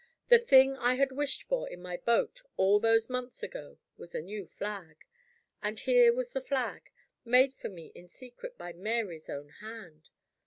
The thing I had wished for in my boat, all those months ago, was a new flag. And here was the flag, made for me in secret by Mary's own hand!